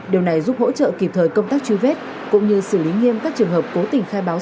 điều này giúp hỗ trợ kịp thời công tác truy vết cũng như xử lý nghiêm các trường hợp cố tình khai báo